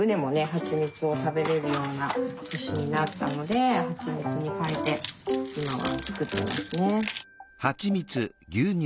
はちみつを食べれるような年になったのではちみつに代えて今は作ってますね。